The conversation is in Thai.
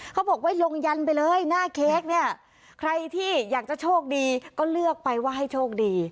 เขาบอกว่าลงยันไปเลยหน้าเค้กเนี่ยใครที่อยากจะโชคดีก็เลือกไปว่าให้โชคดี